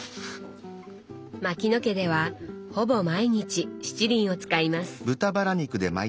牧野家ではほぼ毎日七輪を使います。